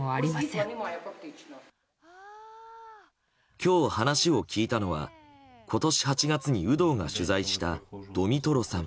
今日、話を聞いたのは今年８月に有働が取材したドミトロさん。